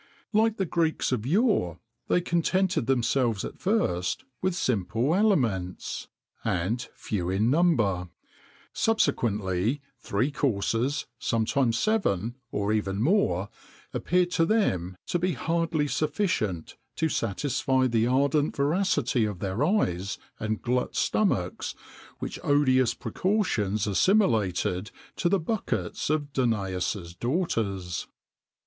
[XXIX 69] Like the Greeks of yore, they contented themselves at first with simple aliments, and few in number; subsequently, three courses, sometimes seven,[XXIX 70] or even many more, appeared to them to be hardly sufficient to satisfy the ardent voracity of their eyes, and glut stomachs which odious precautions assimilated to the buckets of Danaus's daughters.